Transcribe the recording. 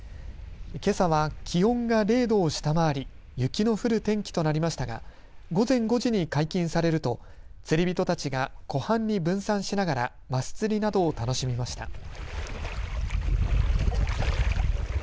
けさは気温が０度を下回り雪の降る天気となりましたが午前５時に解禁されると釣り人たちが湖畔に分散しながらマス釣りなどを楽しみました。